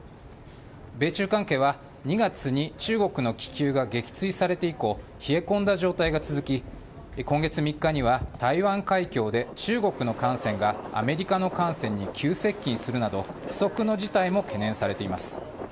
米中関係は、２月に中国の気球が撃墜されて以降、冷え込んだ状態が続き、今月３日には、台湾海峡で中国の艦船がアメリカの艦船に急接近するなど、不測の事態も懸念されています。